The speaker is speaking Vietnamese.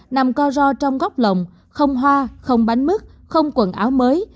nằm co ro trong góc lồng không hoa không bánh mứt không quần áo mới